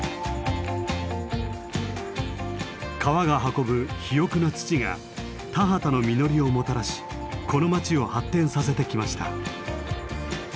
川が運ぶ肥沃な土が田畑の実りをもたらしこの町を発展させてきました。